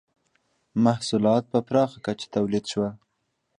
• محصولات په پراخه کچه تولید شول.